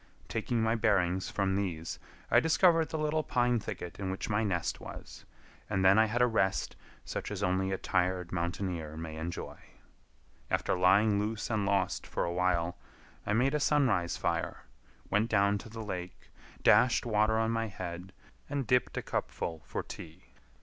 Taking my bearings from these, I discovered the little pine thicket in which my nest was, and then I had a rest such as only a tired mountaineer may enjoy. After lying loose and lost for awhile, I made a sunrise fire, went down to the lake, dashed water on my head, and dipped a cupful for tea.